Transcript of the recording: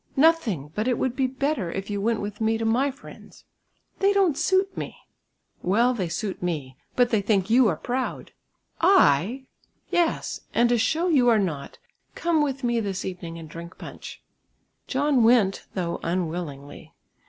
"Nothing, but it would be better if you went with me to my friends." "They don't suit me." "Well, they suit me, but they think you are proud." "I?" "Yes; and to show you are not, come with me this evening and drink punch." John went though unwillingly.